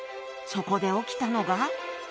そこで起きたのが。